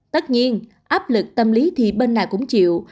tất nhiên áp lực tâm lý thì bên nào cũng chịu